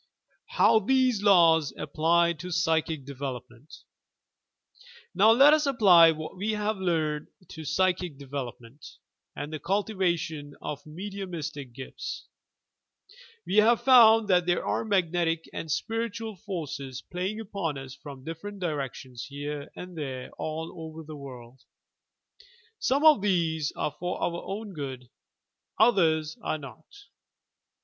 HOW TUVSS LAWS APPLY TO PSYCHIC DEVELOPMENT Now let US apply what we have learned to psychic development, and the cultivation of mediumistic gifts. We have found that there are magnetic and spiritual forces playing upon us from different directions here and there all over the world. Some of these are for our own good, others are not.